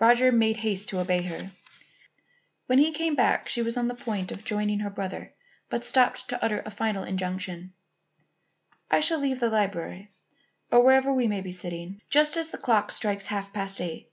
Roger made haste to obey her. When he came back she was on the point of joining her brother but stopped to utter a final injunction: "I shall leave the library, or wherever we may be sitting, just as the clock strikes half past eight.